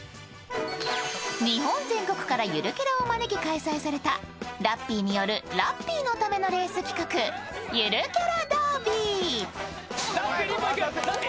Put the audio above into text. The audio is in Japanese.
日本全国からゆるキャラを招き開催されたラッピーによるラッピーのためのレース企画、「ゆるキャラダービー」